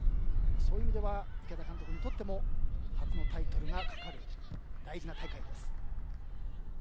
そういう意味では池田監督にとっても初のタイトルがかかる大事な今大会です。